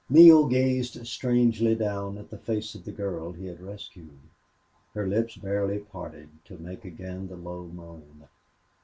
Neale gazed strangely down at the face of the girl he had rescued. Her lips barely parted to make again the low moan.